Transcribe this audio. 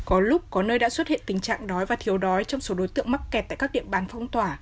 có lúc có nơi đã xuất hiện tình trạng đói và thiếu đói trong số đối tượng mắc kẹt tại các địa bàn phong tỏa